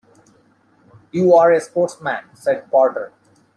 "You're a sportsman," said Porter.